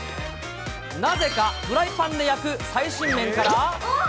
なぜかフライパンで焼く最新麺から。